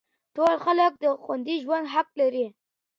ټول خلګ د خوندي ژوند حق لري.